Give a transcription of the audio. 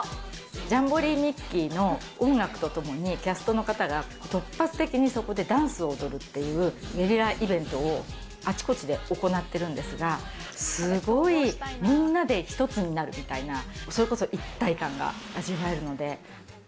ジャンボリミッキー！の音楽とともに、キャストの方が突発的にそこでダンスを踊るっていうゲリライベントをあちこちで行ってるんですが、すごい、みんなで一つになるみたいな、それこそ一体感が味わえるので。